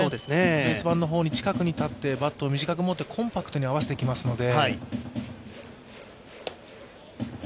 ベース板の近くに立ってバットもコンパクトに合わせてきますので。